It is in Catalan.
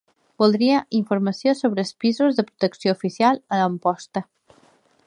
Voldria informació sobre els pisos de protecció oficial a Amposta.